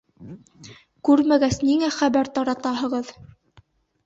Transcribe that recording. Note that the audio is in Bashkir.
— Күрмәгәс, ниңә хәбәр таратаһығыҙ?